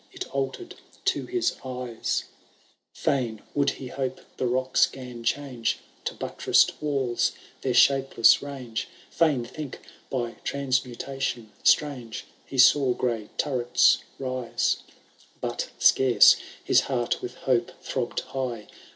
It altered to his eyes ; Fain would he hope the rocks ^gan change To buttressed walls their shapeless range. Fain think, by transmutation strange, He saw gray turrets rise. But scarce his heart with hope throbbed high.